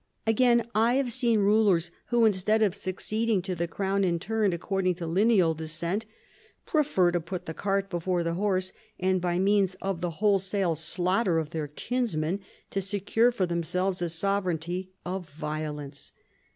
"Again, I have seen rulers who, instead of succeeding to the crown in turn according to lineal descent, prefer to put the cart before the horse, and by means of the wholesale slaughter of their kinsmen to secure for themselves a sovereignty of violence.